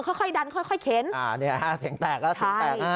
ค่อยดันค่อยเข็นอ่าเนี่ยฮะเสียงแตกแล้ว